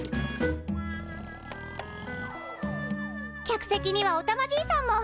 客席にはおたまじいさんも。